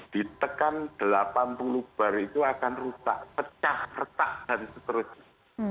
ditekan delapan puluh bar itu akan rusak pecah retak dan seterusnya